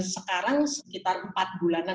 sekarang sekitar empat bulanan